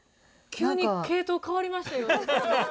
急に系統変わりましたよ。